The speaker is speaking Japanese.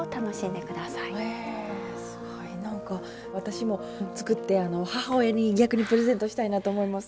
へすごいなんか私も作って母親に逆にプレゼントしたいなと思います。